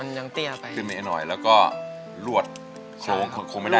อันดับนี้เป็นแบบนี้เป็นแบบนี้เป็นแบบนี้